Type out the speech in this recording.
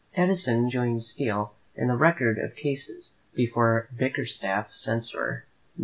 Addison joined Steele in the record of cases before "Bickerstaff, Censor," No.